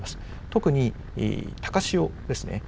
特に、高潮ですね。